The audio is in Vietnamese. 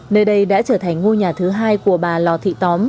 nơi đây đã trở thành ngôi nhà thứ hai của bà lò thị tóm